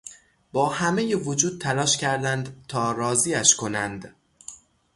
با همهی وجود تلاش کردند تا راضیش کنند.